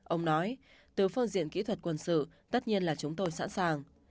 ông nói từ phương diện kỹ thuật quân sự tất nhiên là chúng tôi sẵn sàng